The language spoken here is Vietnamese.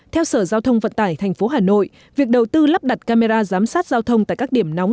theo sở giao thông vận tải tp hà nội việc đầu tư lắp đặt camera giám sát giao thông tại các điểm nóng